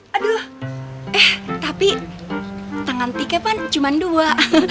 aduh eh tapi tangan tike pan cuma dua